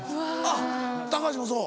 あっ橋もそう？